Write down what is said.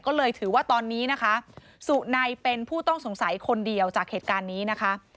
ก็เลยถือว่าตอนนี้นะคะสุนัยเป็นผู้ต้องสงสัยคนเดียวจากเหตุการณ์นี้นะคะ